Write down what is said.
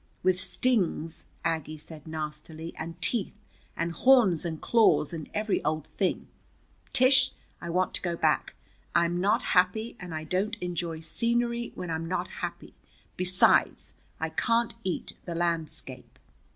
"With stings," Aggie said nastily, "and teeth, and horns, and claws, and every old thing! Tish, I want to go back. I'm not happy, and I don't enjoy scenery when I'm not happy. Besides, I can't eat the landscape."